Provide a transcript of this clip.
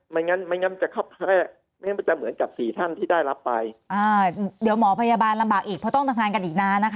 ไม่งั้นจะเหมือนกับ๔ท่านที่ได้รับไป